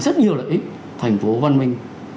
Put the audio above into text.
rất nhiều lợi ích thành phố văn minh